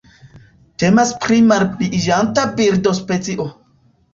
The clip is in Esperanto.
Temas pri malpliiĝanta birdospecio.